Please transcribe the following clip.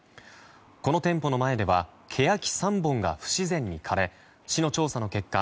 この店舗の前ではケヤキ３本が不自然に枯れ市の調査の結果